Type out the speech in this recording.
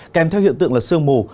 kèm theo hiện tượng là sương mù